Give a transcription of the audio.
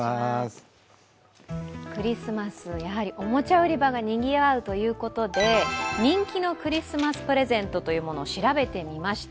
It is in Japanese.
クリスマス、やはりおもちゃ売り場がにぎわうということで人気のクリスマスプレゼントというものを調べてみました。